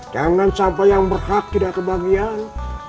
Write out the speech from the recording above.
jangan sampai yang berhak tidak kebagian